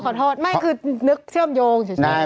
ขอโทษไม่คือนึกเชื่อมโยงเฉย